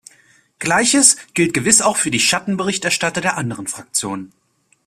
Gleiches gilt gewiss auch für die Schattenberichterstatter der anderen Fraktionen.